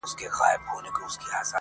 ملکه له تخته پورته په هوا سوه!!